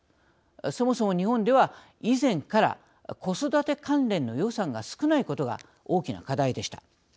そもそも、日本では以前から子育て関連の予算が少ないことが大きな課題でした。